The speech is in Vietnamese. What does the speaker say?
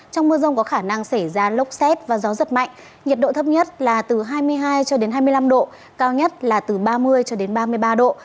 trong mưa rông có khả năng xảy ra lốc xét và gió rất mạnh nhiệt độ thấp nhất là từ hai mươi hai hai mươi năm độ cao nhất là từ ba mươi ba mươi ba độ có nơi trên ba mươi ba độ